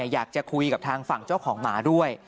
อยากจะคุยกับทางฝั่งเจ้าของหมาด้วย